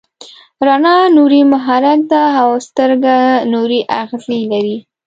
رڼا نوري محرک ده او سترګه نوري آخذې لري.